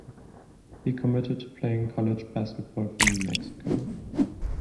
He committed to playing college basketball for New Mexico.